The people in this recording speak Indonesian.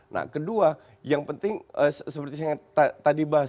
nah kedua yang penting seperti yang tadi saya bahas